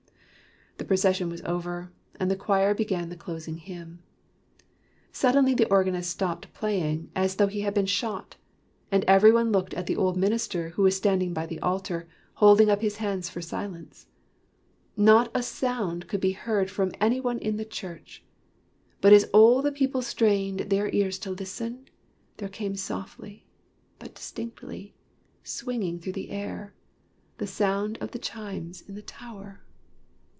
The procession was over, and the choir began the closing hymn. Suddenly the organist stopped play ing as though he had been shot, and every one looked at the old minister, who was standing by the altar,, holding up his hand for silence. Not a sound could be heard from any one in the church, but as all the people strained their ears to listen, there came softly, but distinctly, swinging through the air, the sound of the chimes in the tower.